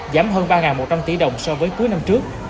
giảm hơn ba một trăm linh tỷ đồng so với cuối năm trước